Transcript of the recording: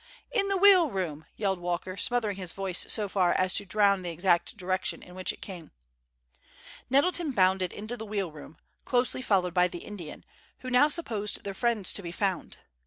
"In the wheel room!" yelled Walker, smothering his voice so far as to drown the exact direction in which it came. Nettleton bounded into the wheel room, closely followed by the Indian, who now supposed their friends to be found.